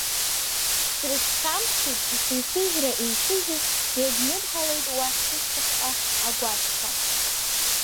Срызхьамԥшит ишынсыжьра инсыжьыз, иагьныдҳалеит уахь, сышьҭахьҟа, агәашәқәа.